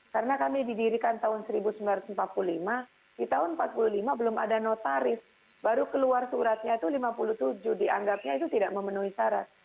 karena kami didirikan tahun seribu sembilan ratus empat puluh lima di tahun empat puluh lima belum ada notaris baru keluar suratnya itu lima puluh tujuh dianggapnya itu tidak memenuhi syarat